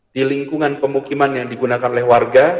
di lingkungan pemukiman yang digunakan oleh warga